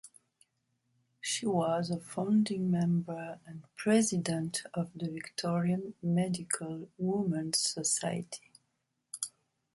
She was a founding member and president of the Victorian Medical Women's Society.